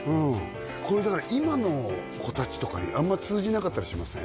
これだから今の子達とかにあんま通じなかったりしません？